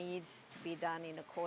itu juga perlu dilakukan